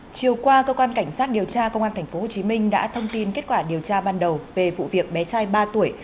chiều qua cơ quan cảnh sát điều tra công an tp hcm đã thông tin kết quả điều tra ban đầu về vụ việc bé trai ba tuổi